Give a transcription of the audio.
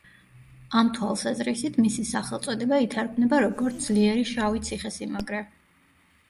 ამ თვალსაზრისით მისი სახელწოდება ითარგმნება როგორც „ძლიერი შავი ციხესიმაგრე“.